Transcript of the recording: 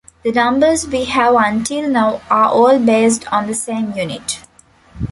The numbers we have until now are all based on the same unit.